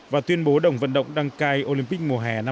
và tuyên bố đồng vận động đăng cai olympic mùa hè năm hai nghìn ba mươi hai